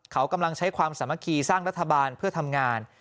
เขากำลังใช้ความสามัคคีสร้างรัฐบาลเพื่อทำงาน